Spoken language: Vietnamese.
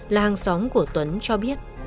là hàng xóm của tuấn cho biết